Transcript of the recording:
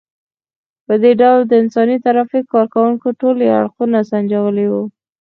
په دې ډول د انساني ترافیک کار کوونکو ټولي اړخونه سنجولي وو.